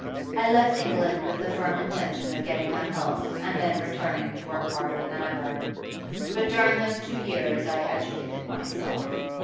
I left England with the firm intention of getting my health and then returning to work harder than ever. But during those two years I educated myself.